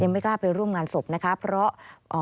ไม่กล้าไปร่วมงานศพนะคะเพราะ